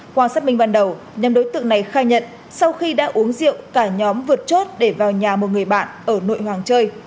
qua xác minh ban đầu nhóm đối tượng này khai nhận sau khi đã uống rượu cả nhóm vượt chốt để vào nhà một người bạn ở nội hoàng chơi